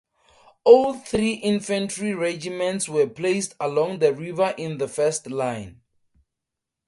All three infantry regiments were placed along the river in the first line.